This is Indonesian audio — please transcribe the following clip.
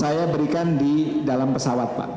saya berikan di dalam pesawat pak